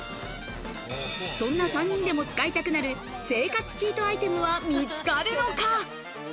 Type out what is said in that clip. そんな３人でも使いたくなる生活チートアイテムは見つかるのか？